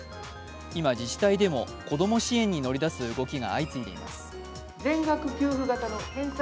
今、自治体でも子供支援に乗り出す動きが相次いでいます。